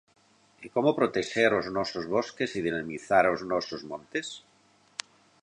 E como protexer os nosos bosques e dinamizar os nosos montes?